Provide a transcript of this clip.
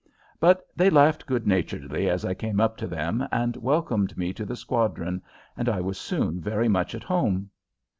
But they laughed good naturedly as I came up to them and welcomed me to the squadron, and I was soon very much at home.